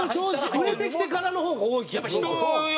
売れてきてからの方が多い気がする。